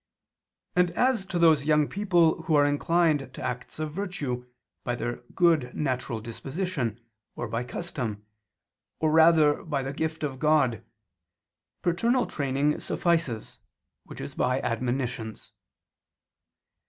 And as to those young people who are inclined to acts of virtue, by their good natural disposition, or by custom, or rather by the gift of God, paternal training suffices, which is by admonitions.